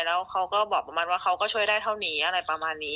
แล้วเขาก็บอกได้เท่านี้อะไรประมาณนี้